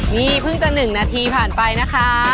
นี่เพิ่งจะ๑นาทีผ่านไปนะคะ